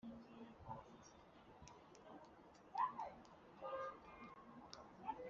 tubaririza i mututu